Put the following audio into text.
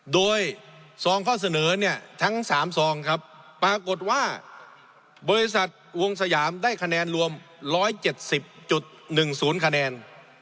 โดยซองข้อเสนอเนี่ยทั้ง๓ซองครับปรากฏว่าบริษัทวงสยามได้คะแนนรวม๑๗๐๑๐คะแนน